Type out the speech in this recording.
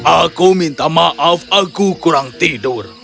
aku minta maaf aku kurang tidur